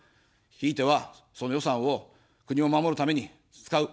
ひいては、その予算を国を守るために使う。